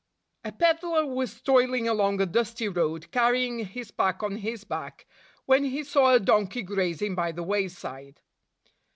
A peddler was toiling along a dusty road, carrying his pack on his back, when he saw a donkey grazing by the wayside.